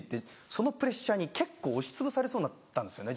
そのプレッシャーに結構押しつぶされそうになったんですよね